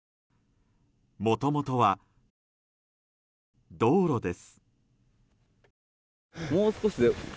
もともとは道路です。